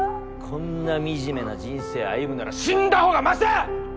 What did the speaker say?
こんな惨めな人生歩むなら死んだ方がましだ！